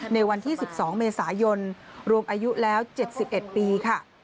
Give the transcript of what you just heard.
ในวันที่๑๒เมษายนรวมอายุแล้ว๗๑ปีค่ะ